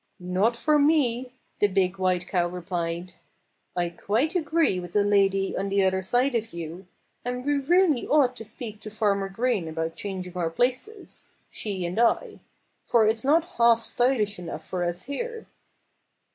"Not for me!" the big white cow replied. "I quite agree with the lady on the other side of you. And we really ought to speak to Farmer Green about changing our places she and I. For it's not half stylish enough for us here."